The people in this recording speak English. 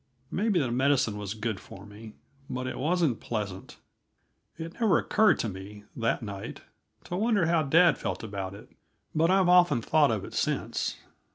Maybe the medicine was good for me, but it wasn't pleasant. It never occurred to me, that night, to wonder how dad felt about it; but I've often thought of it since.